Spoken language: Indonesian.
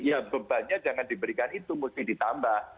ya bebannya jangan diberikan itu mesti ditambah